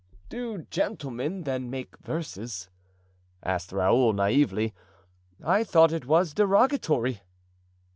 "Do gentlemen, then, make verses?" asked Raoul, naively, "I thought it was derogatory."